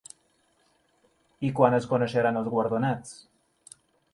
I quan es coneixeran els guardonats?